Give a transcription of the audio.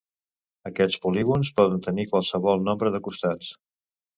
Aquests polígons poden tenir qualsevol nombre de costats.